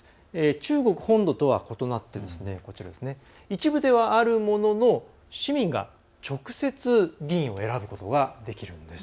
中国本土とは異なって一部ではあるものの市民が直接議員を選ぶことができるんです。